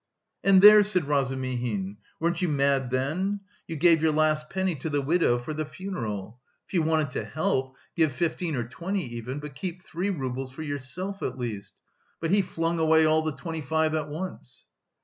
"And there," said Razumihin, "weren't you mad then? You gave your last penny to the widow for the funeral. If you wanted to help, give fifteen or twenty even, but keep three roubles for yourself at least, but he flung away all the twenty five at once!"